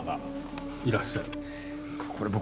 これ僕